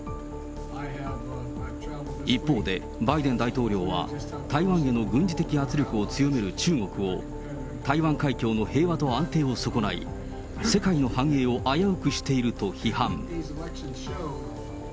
一方でバイデン大統領は、台湾への軍事的圧力を強める中国を、台湾海峡の平和と安定を損ない、世界の繁栄を危うくしていると批判。